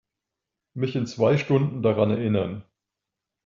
Mich in zwei Stunden daran erinnern.